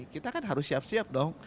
kita kan harus siap siap dong